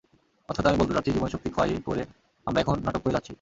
অর্থাৎ আমি বলতে চাচ্ছি, জীবনীশক্তি ক্ষয় করে আমরা এখন নাটক করে যাচ্ছি।